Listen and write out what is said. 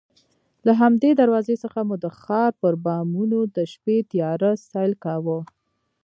له همدې دروازې څخه مو د ښار پر بامونو د شپې تیاره سیل کاوه.